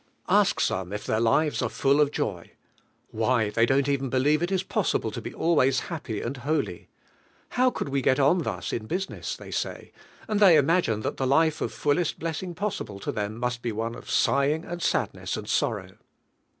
Ask some if their lives are full of joy; ei vtm; irtiALrwo. why, they don't even believe it is possible to be always happy and holy. "How could we get on thus in business?" they say; and they imagine thai the life of fullest blessing possible to llieiu must be one of sighing and sadness anil sorrow.